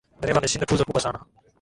Dereva ameshinda tuzo kubwa sana